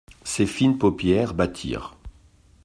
Ses fines paupières battirent.